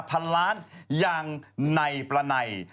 พันล้านอย่างในประไน